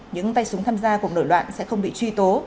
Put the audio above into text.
những tay súng tham gia cuộc đổi loạn sẽ không bị truy tố